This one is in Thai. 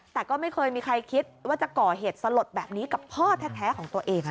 แต่ก็ไม่เคยมีใครคิดว่าจะก่อเหตุสลดแบบนี้กับพ่อแท้ของตัวเอง